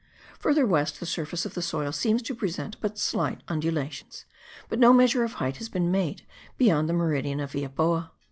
Further west the surface of the soil seems to present but slight undulations; but no measure of height has been made beyond the meridian of Villaboa.